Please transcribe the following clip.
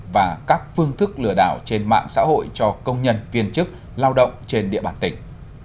và các phương thức lừa đảo trên mạng xã hội cho công nhân viên chức lao động trên địa bàn tỉnh